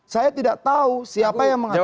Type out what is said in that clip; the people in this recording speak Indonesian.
saya tidak tahu siapa yang mengatakan